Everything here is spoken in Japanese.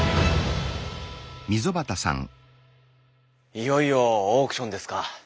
いよいよオークションですか。